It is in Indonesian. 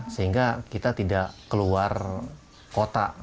sehingga kita tidak keluar kota